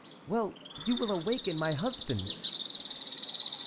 "Well, you will awaken my husband!"